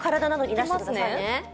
いきますね。